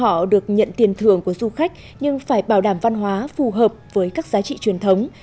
họ được nhận tiền thưởng của du khách nhưng phải bảo đảm văn hóa phù hợp với các giá trị truyền thống